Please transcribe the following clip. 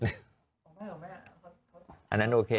อ๋อไม่ออกแม่อันนั้นโอเค